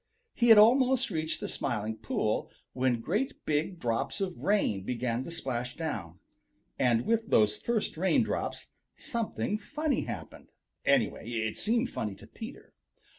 He had almost reached the Smiling Pool when great big drops of rain began to splash down. And with those first raindrops something funny happened. Anyway, it seemed funny to Peter.